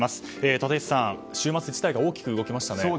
立石さん、週末事態が大きく動きましたね。